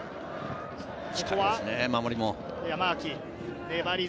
近いですね、守りも。